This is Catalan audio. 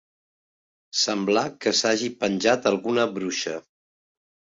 Semblar que s'hagi penjat alguna bruixa.